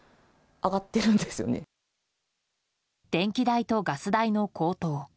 電気代とガス代の高騰。